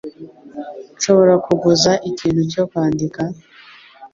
Nshobora kuguza ikintu cyo kwandika?